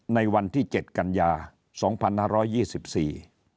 ในวันที่เจ็ดกันยาสองพันห้าร้อยยี่สิบสี่